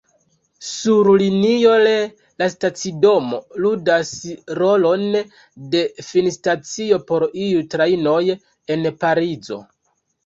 Sur linio L, la stacidomo ludas rolon de finstacio por iuj trajnoj el Parizo.